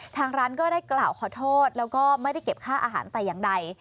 ทางร้านก็ได้กล่าวขอโทษแล้วก็ไม่ได้เก็บค่าอาหารแต่อย่างใด